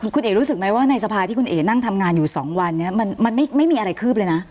คุณเอ๋รู้สึกไหมว่าในสภาที่คุณเอ๋นั่งทำงานอยู่๒วันนี้มันไม่มีอะไรคืบเลยนะ